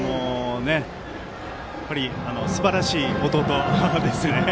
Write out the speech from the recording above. やっぱりすばらしい弟ですね。